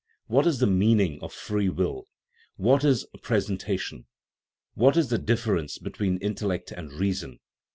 What is the meaning of " free will "? What is " pres entation"? What is the difference between "intel lect " and " reason n